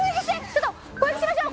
ちょっと攻撃しましょう！